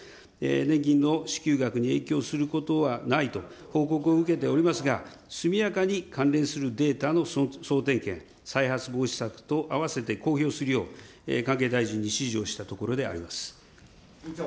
年金の支給額に影響することはないと報告を受けておりますが、速やかに関連するデータの総点検、再発防止策と合わせて公表するよう、関係大臣に指示をしたところであります。